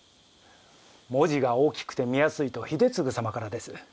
文字が大きくて見やすいと秀次様からです。